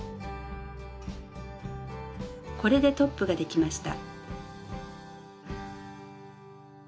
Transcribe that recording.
これでトップができました。